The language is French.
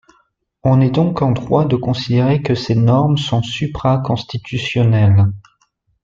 On est donc en droit de considérer que ces normes sont supra-constitutionnelles.